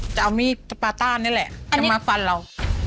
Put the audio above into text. จะเอามีดสปาต้านี่แหละจะมาฟันเรา